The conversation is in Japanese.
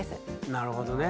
なるほどね。